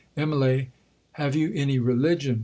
'—'Immalee, have you any religion?'